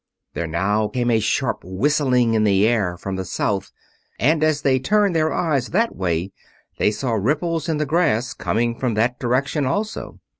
There now came a sharp whistling in the air from the south, and as they turned their eyes that way they saw ripples in the grass coming from that direction also.